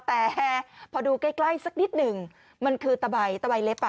แต่พอดูใกล้สักนิดหนึ่งมันคือตะใบตะใบเล็บอ่ะ